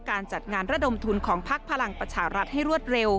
การจัดงานระดมทุนของพักพลังประชารัฐให้รวดเร็ว